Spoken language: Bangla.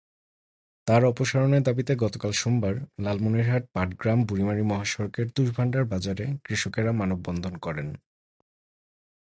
তাঁর অপসারণের দাবিতে গতকাল সোমবার লালমনিরহাট-পাটগ্রাম-বুড়িমারী মহাসড়কের তুষভান্ডার বাজারে কৃষকেরা মানববন্ধন করেন।